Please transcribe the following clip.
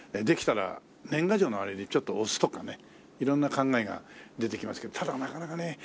できたら年賀状のあれにちょっと押すとかね色んな考えが出てきますけどただなかなかね